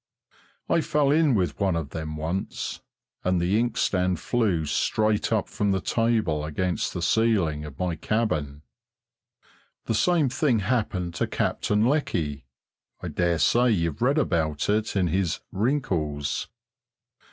I fell in with one of them once, and the inkstand flew straight up from the table against the ceiling of my cabin. The same thing happened to Captain Lecky I dare say you've read about it in his "Wrinkles."